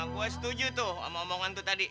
gue setuju tuh sama omongan tuh tadi